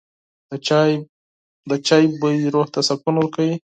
د چای بوی روح ته سکون ورکوي.